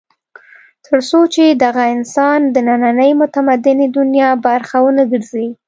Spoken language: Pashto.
تر څو چې دغه انسان د نننۍ متمدنې دنیا برخه ونه ګرځي.